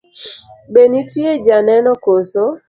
Be nitie joneno koso?